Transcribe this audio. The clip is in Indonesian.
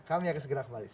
kami akan segera kembali